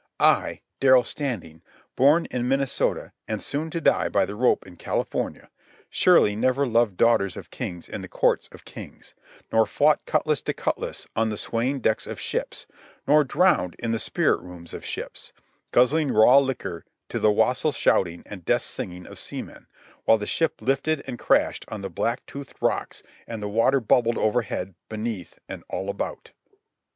I, Darrell Standing, born in Minnesota and soon to die by the rope in California, surely never loved daughters of kings in the courts of kings; nor fought cutlass to cutlass on the swaying decks of ships; nor drowned in the spirit rooms of ships, guzzling raw liquor to the wassail shouting and death singing of seamen, while the ship lifted and crashed on the black toothed rocks and the water bubbled overhead, beneath, and all about.